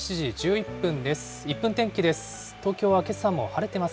１分天気です。